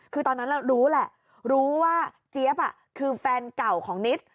คือตอนนั้นรู้แหละรู้ว่าเจี๊ยบคือแฟนเก่าของนิด